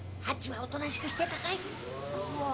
ハチはおとなしくしてたかい？